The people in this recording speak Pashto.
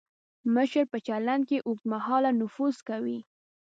مشر په چلند کې اوږد مهاله نفوذ کوي.